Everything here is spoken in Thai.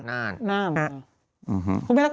น่านน่านฮือฮือฮือฮือฮือฮือ